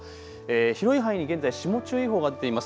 広い範囲で現在、霜注意報が出ています。